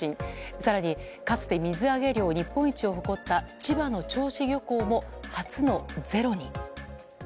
更に、かつて水揚げ量日本一を誇った千葉の銚子漁港も初のゼロに。